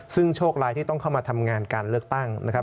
ซึ่งโชคร้ายที่ต้องเข้ามาทำงานการเลือกตั้งนะครับ